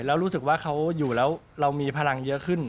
แล้วรู้สึกว่าเขาอยู่แล้วเรามีพลังเยอะขึ้น